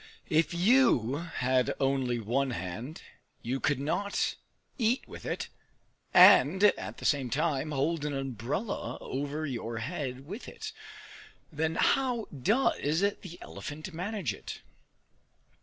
If you had only one hand, you could not eat with it and at the same time hold an umbrella over your head with it! Then how does the elephant manage it?